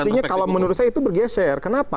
artinya kalau menurut saya itu bergeser kenapa